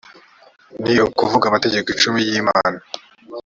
ni ukuvuga amategeko icumi y’imana